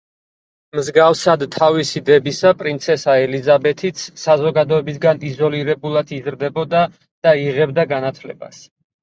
მსგავსად თავისი დებისა, პრინცესა ელიზაბეთიც საზოგადოებისაგან იზოლირებულად იზრდებოდა და იღებდა განათლებას.